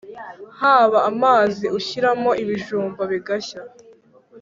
Haba amazi ushyiramo ibijumba bigashya